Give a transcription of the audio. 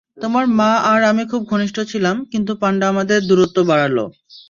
তোমার মা আর আমি খুব ঘনিষ্ট ছিলাম, কিন্তু পান্ডা আমাদের দূরত্ব বাড়াল।